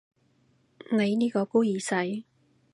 你呢個孤兒仔